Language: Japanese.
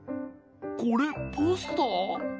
これポスター？